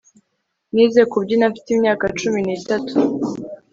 Nize kubyina mfite imyaka cumi nitatu